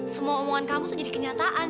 semua omongan kamu tuh jadi kenyataan